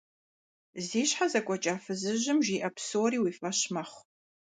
Зи щхьэ зэкӀуэкӀа фызыжьым жиӀэ псори уи фӀэщ мэхъу.